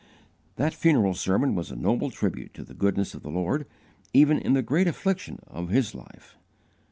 That funeral sermon was a noble tribute to the goodness of the Lord even in the great affliction of his life.